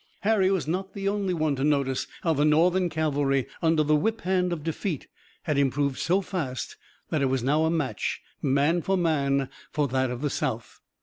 Harry was not the only one to notice how the Northern cavalry under the whip hand of defeat had improved so fast that it was now a match, man for man, for that of the South.